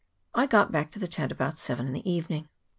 I got back to the tent about seven in the evening.